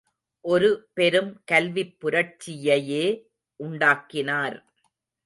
ஒரு பெரும் கல்விப் புரட்சியையே உண்டாக்கினார்.